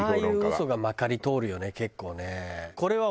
ああいう嘘がまかり通るよね結構ね。